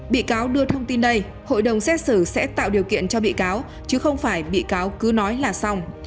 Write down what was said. bị cáo đưa thông tin đây hội đồng xét xử sẽ tạo điều kiện cho bị cáo chứ không phải bị cáo cứ nói là xong